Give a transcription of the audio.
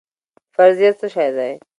فرضیه څه شی دی؟